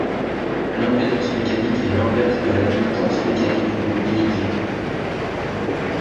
L'impédance mécanique est l'inverse de l'admittance mécanique ou mobilité.